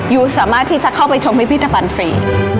ยูสามารถที่จะเข้าไปชมพิพิธภัณฑ์ฟรี